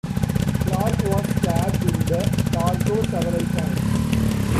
Clark was stabbed in the torso several times.